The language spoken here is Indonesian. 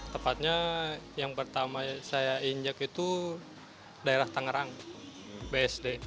tepatnya yang pertama saya injak itu daerah tangerang bsd